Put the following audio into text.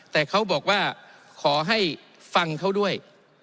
แต่เขาบอกว่าขอให้ฟังเขาด้วย